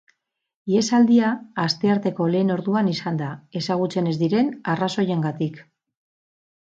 Ihesaldia astearteko lehen orduan izan da, ezagutzen ez diren arrazoiengatik.